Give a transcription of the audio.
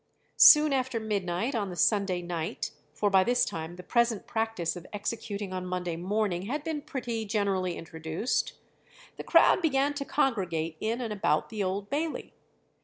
Soon after midnight on the Sunday night, for by this time the present practice of executing on Monday morning had been pretty generally introduced, the crowd began to congregate in and about the Old Bailey.